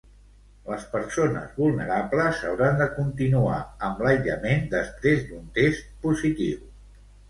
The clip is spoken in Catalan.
Les persones vulnerables hauran de continuar amb l'aïllament després d'un test positiu.